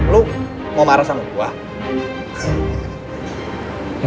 lo mau marah sama gue